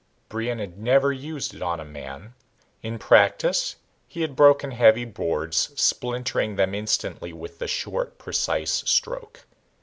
Brion had never used it on a man. In practice he had broken heavy boards, splintering them instantly with the short, precise stroke.